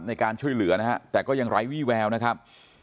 ในการช่วยเหลือนะฮะแต่ก็ยังไร้วี่แววนะครับ